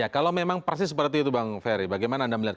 kalau memang persis seperti itu bang ferry bagaimana anda melihat